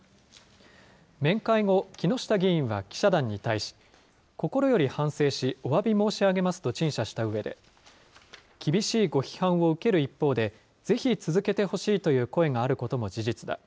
面会後、木下議員は記者団に対し、心より反省し、おわび申し上げますと陳謝したうえで、厳しいご批判を受ける一方で、ぜひ続けてほしいという声があることも事実だ。